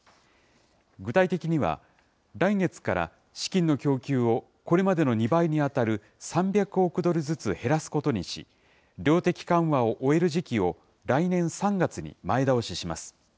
具体的には、来月から資金の供給を、これまでの２倍に当たる３００億ドルずつ減らすことにし、量的緩和を終える時期を来年３月に前倒しします。